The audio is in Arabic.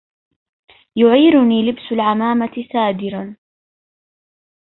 يعيرني لبس العمامة سادرا